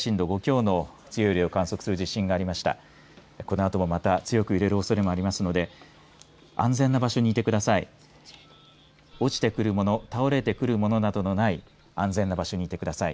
このあともまた強く揺れるおそれもありますので安全な場所にいてください。